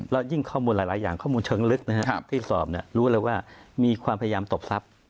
แล้วยิ่งข้อมูลหลายอย่างข้อมูลเชิงลึกนะครับที่สอบรู้เลยว่ามีความพยายามตบทรัพย์